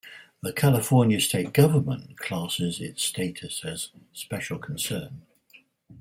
The California State Government classes its status as "Special Concern".